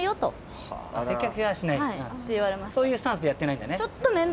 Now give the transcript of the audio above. そういうスタンスでやってないんだね。